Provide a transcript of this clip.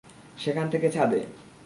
সেখান থেকে ছাদে।